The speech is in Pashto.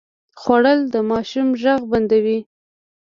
خوړل د ماشوم غږ بندوي